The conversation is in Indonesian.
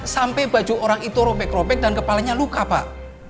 sampai baju orang itu robek robek dan kepalanya luka pak